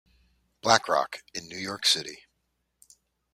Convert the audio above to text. "Black Rock," in New York City.